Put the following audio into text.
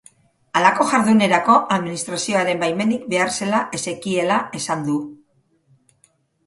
Halako jardunerako administrazioaren baimenik behar zela ez zekiela esan du.